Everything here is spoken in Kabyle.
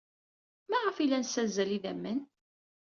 Maɣef ay la nessazzal idammen?